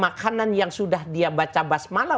makanan yang sudah dia baca basmala